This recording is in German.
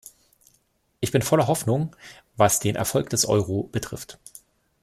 Ich bin voller Hoffnung, was den Erfolg des Euro betrifft.